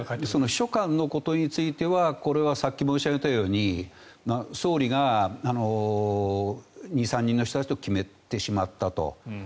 秘書官のことについてはこれはさっき申し上げたように総理が２３人の人たちと決めてしまったと。